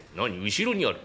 後ろにある？